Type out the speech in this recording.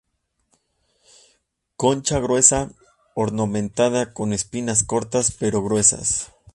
Concha gruesa, ornamentada con espinas cortas pero gruesas.